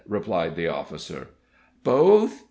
replied the officer. "Both?